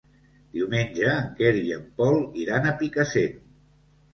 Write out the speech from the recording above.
Diumenge en Quer i en Pol iran a Picassent.